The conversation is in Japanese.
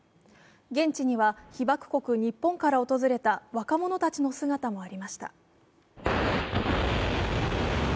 現地には被爆国・日本から訪れた若者たちの姿もありました。